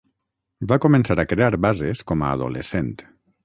Va començar a crear bases com a adolescent.